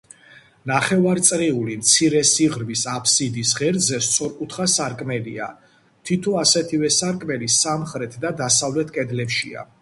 ნახევარწრიული, მცირე სიღრმის აფსიდის ღერძზე სწორკუთხა სარკმელია, თითო ასეთივე სარკმელი სამხრეთ და დასავლეთ კედლებშია.